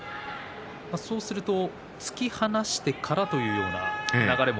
そうすると突き放してからというような流れも